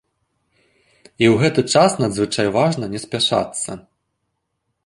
І ў гэты час надзвычай важна не спяшацца.